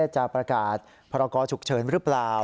จะประกาศพรกรฉุกเฉินหรือเปล่า